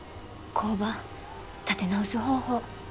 工場立て直す方法。